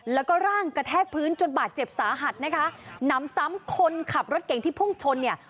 แล้วก็ร่างกระแทกพื้นจนบาดเจ็บสาหัสนะคะหนำซ้ำคนขับรถเก่งที่พุ่งชนเนี่ย